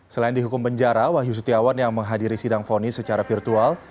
selain dihukum penjara wahyu setiawan yang menghadiri sidang fonis secara virtual